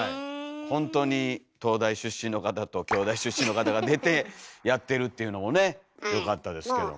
ほんとに東大出身の方と京大出身の方が出てやってるっていうのもねよかったですけど。